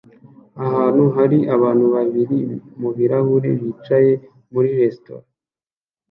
Hano hari abantu babiri mubirahuri bicaye muri resitora